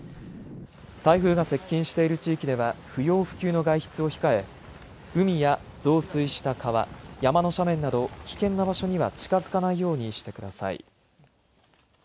台風が接近している地域では不要不急の外出を控え海や増水した川、山の斜面など危険な場所には近づかないようにしてください。